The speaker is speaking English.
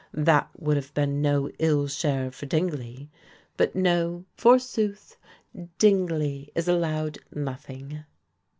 That would have been no ill share for Dingley. But no, forsooth, Dingley is allowed nothing.